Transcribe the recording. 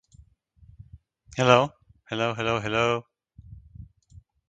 The interior floor is a lower albedo material that has a cracked surface.